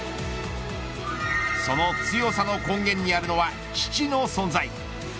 その強さの根源にあるのは父の存在。